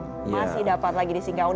masih dapat lagi di singkaun